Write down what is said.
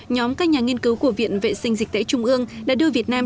nhóm các nhà nghiên cứu của viện vệ sinh dịch tễ trung ương đã đưa việt nam